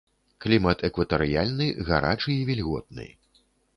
Клімат экватарыяльны, гарачы і вільготны.